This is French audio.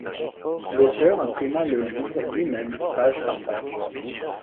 L'auteur imprima le livre lui-même, page par page.